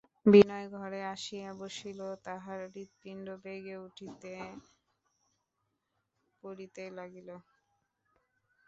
বিনয় ঘরে আসিয়া বসিল, তাহার হৃৎপিণ্ড বেগে উঠিতে পড়িতে লাগিল।